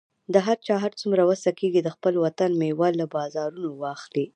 د هر چا هر څومره وسه کیږي، د خپل وطن میوه له بازارونو واخلئ